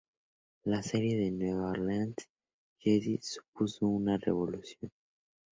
La serie de La Nueva Orden Jedi supuso una revolución.